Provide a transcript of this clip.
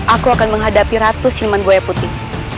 aku akan menghadapi ratu silman boya putih